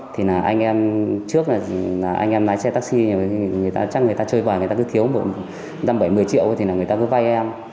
thế là anh em trước là anh em lái chạy taxi chắc người ta chơi vào người ta cứ thiếu một bảy mươi triệu thì người ta cứ vai em